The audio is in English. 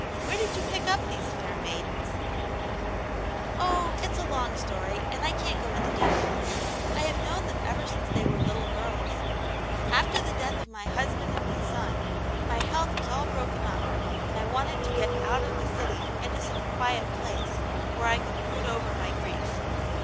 Where did you pick up these fair maidens ?"" Oh, it's a long story, and I can't go into details. I have known them ever since they were little girls. After the death of my husband and my son, my health was all broken up, and 1 nn;^^^^^ \.^^\ "CiXiX 62 Aunt yam's Hero. . of the city into some quiet place, where I could brood over my grief.